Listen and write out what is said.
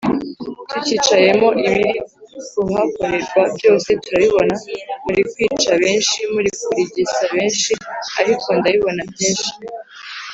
tukicayemo ibiri kuhakorerwa byose turabibona, muri kwica benshi, muri kurigisa benshi ariko ndabibona byinshi.